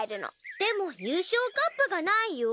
でも優勝カップがないよ。